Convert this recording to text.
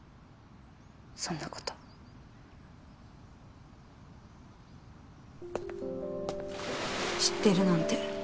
そんなこと知ってるなんて